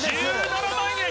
１７万円